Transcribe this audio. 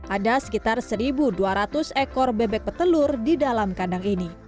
ada sekitar satu dua ratus ekor bebek petelur di dalam kandang ini